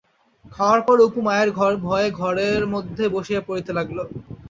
খাওয়ার পরে অপু মায়ের ভয়ে ঘরের মধ্যে বসিয়া পড়িতে লাগিল।